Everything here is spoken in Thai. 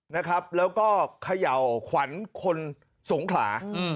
และแขยาวขวานคนสงขลา